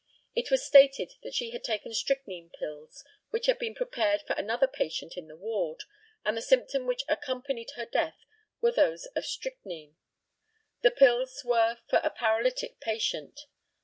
It was stated that she had taken strychnine pills, which had been prepared for another patient in the ward, and the symptoms which accompanied her death were those of strychnine. The pills were for a paralytic patient.